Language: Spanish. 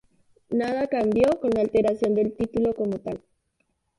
Nada cambió con la alteración del título como tal.